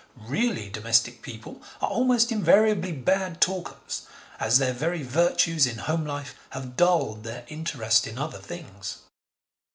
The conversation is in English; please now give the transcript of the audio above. Really domestic people are almost invariably bad talkers as their very virtues in home life have dulled their interest in outer things.